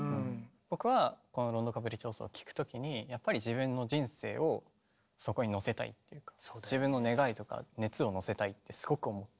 僕はこの「ロンド・カプリチオーソ」を聴くときにやっぱり自分の人生をそこにのせたいっていうか自分の願いとか熱をのせたいってすごく思ったんで。